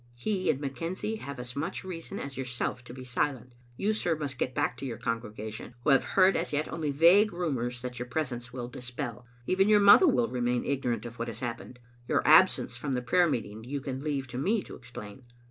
He and McKenzie have as much reason as your self to be silent. You, sir, must go back to your con gregation, who have heard as yet only vague rumors that your presence will dispel. Even your mother will remain ignorant of what has happened. Your absence from the prayer meeting you can leave to me to explain.